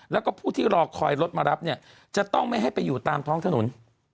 แล้วก็ผู้ที่รอคอยรถมารับเนี่ยจะต้องไม่ให้ไปอยู่ตามท้องถนน